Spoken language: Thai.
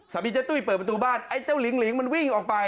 สามีเจ้าตุ้ยเปิดประตูบ้านไอ้เจ้าหลิงมันวิ่งออกไป